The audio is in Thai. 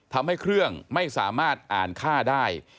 ทำให้เครื่องไม่สามารถอ่านค่าได้